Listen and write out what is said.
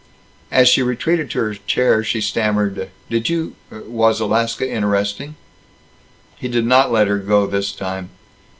As she retreated to her chair she stammered, "Did you Was Alaska interesting?" He did not let her go, this time.